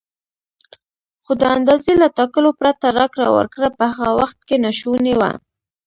خو د اندازې له ټاکلو پرته راکړه ورکړه په هغه وخت کې ناشونې وه.